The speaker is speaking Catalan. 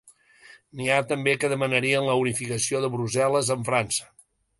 N'hi ha també que demanarien la unificació de Brussel·les amb França.